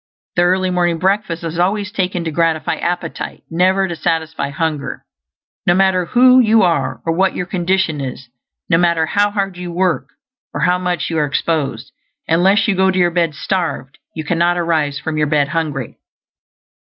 The early morning breakfast is always taken to gratify appetite, never to satisfy hunger. No matter who you are, or what your condition is; no matter how hard you work, or how much you are exposed, unless you go to your bed starved, you cannot arise from your bed hungry.